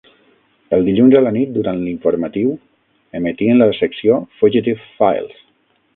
Els dilluns a la nit, durant l'informatiu, emetien la secció "Fugitive Files".